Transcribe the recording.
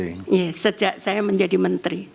iya sejak saya menjadi menteri